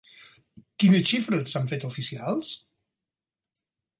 Quines xifres s'han fet oficials?